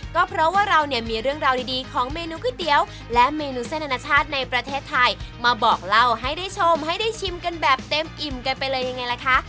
ก็เพราะว่าเราเนี่ยมีเรื่องราวดีของเมนูก๋วยเตี๋ยวและเมนูเส้นอนาชาติในประเทศไทยมาบอกเล่าให้ได้ชมให้ได้ชิมกันแบบเต็มอิ่มกันไปเลยยังไงล่ะคะ